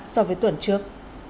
so với tuần trước